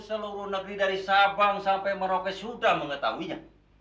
seluruh negeri dari sabang sampai merauke sudah mengetahuinya